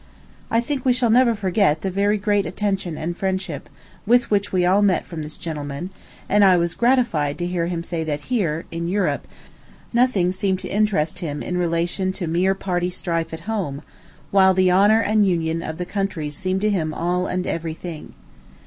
I think we shall never forget the very great attention and friendship which we all met with from this gentleman; and I was gratified to hear him say that here, in Europe, nothing seemed to interest him in relation to mere party strife at home; while the honor and union of the country seemed to him all and every thing.